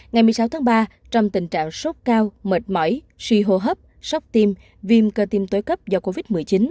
ngày một mươi sáu tháng ba trong tình trạng sốt cao mệt mỏi suy hô hấp sốc tim viêm cơ tim tối cấp do covid một mươi chín